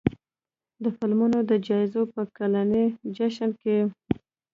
د فلمونو د جایزو په کلني جشن کې